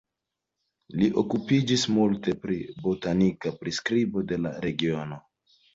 Li okupiĝis multe pri botanika priskribo de la regiono.